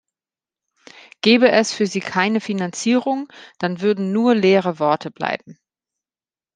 Gäbe es für sie keine Finanzierung, dann würden nur leere Worte bleiben.